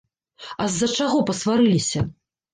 А з-за чаго пасварыліся?